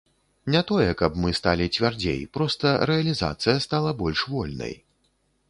Не тое, каб мы сталі цвярдзей, проста рэалізацыя стала больш вольнай.